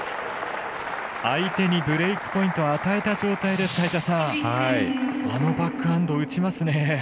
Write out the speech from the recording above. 相手にブレークポイントを与えた状態であのバックハンドを打ちますね。